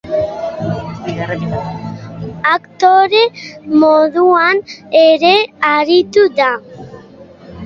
Aktore moduan ere aritu da.